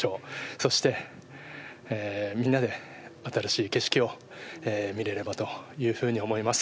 そしてみんなで新しい景色を見れればというふうに思います。